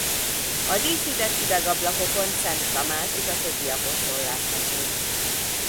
A díszített üvegablakokon Szent Tamás és a többi apostol látható.